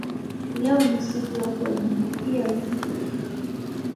Leo ni siku ya kuwajibikia wito